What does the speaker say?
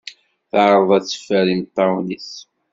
Teɛreḍ ad teffer imeṭṭawen-is.